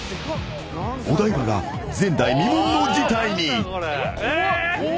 ［お台場が前代未聞の事態に］